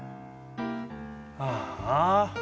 ああ。